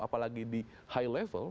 apalagi di high level